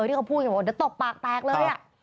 ที่เขาพูดอย่างนั้นตบปากแตกเลย